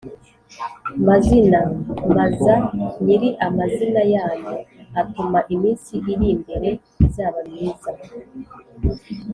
mazina, maza nyiri amazina yanyu: utuma iminsi iri imbere izaba myiza